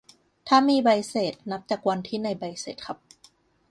ถ้ามีใบเสร็จ นับจากวันที่ในใบเสร็จครับ